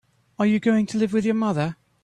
Are you going to live with your mother?